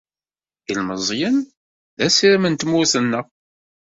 Ilmeẓyen d assirem n tmurt-nneɣ.